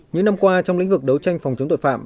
những năm qua trong lĩnh vực đấu tranh phòng chống tội phạm